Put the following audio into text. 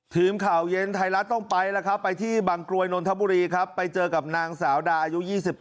ทีมข่าวเย็นไทยรัฐต้องไปแล้วครับไปที่บางกรวยนนทบุรีครับไปเจอกับนางสาวดาอายุ๒๘